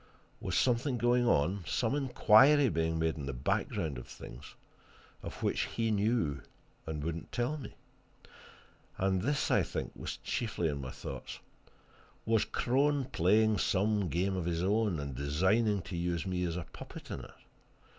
Was something going on, some inquiry being made in the background of things, of which he knew and would not tell me? And this, I think, was what was chiefly in my thoughts was Crone playing some game of his own and designing to use me as a puppet in it?